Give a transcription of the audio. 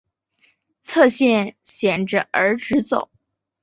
侧线显着而直走。